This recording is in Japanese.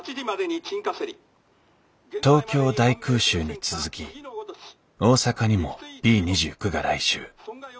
東京大空襲に続き大阪にもＢ２９が来襲。